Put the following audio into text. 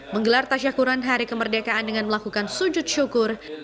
menggelar tas syukuran hari kemerdekaan dengan melakukan sujud syukur